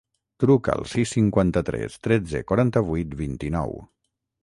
Truca al sis, cinquanta-tres, tretze, quaranta-vuit, vint-i-nou.